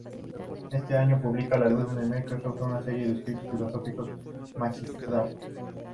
Ese año, publica "La luz del microcosmos", una serie de escritos filosóficos magistral.